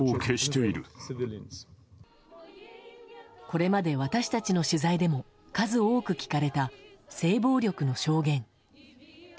これまで私たちの取材でも数多く聞かれた性暴力の証言。